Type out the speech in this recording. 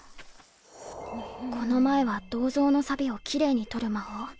この前は銅像のサビをキレイに取る魔法。